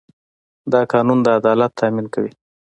دا قانون د عدالت تامین کوي.